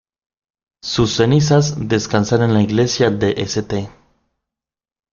Sus cenizas descansan en la iglesia de St.